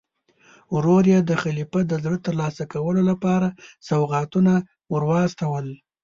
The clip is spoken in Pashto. ورور یې د خلیفه د زړه ترلاسه کولو لپاره سوغاتونه ور واستول.